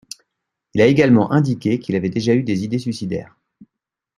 Il a également indiqué qu'il avait déjà eu des idées suicidaires.